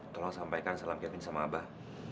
tolong sampaikan salam yatim sama abah